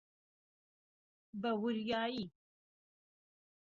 بەوریایی!